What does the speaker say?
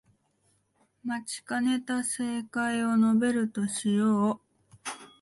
待ちかねた正解を述べるとしよう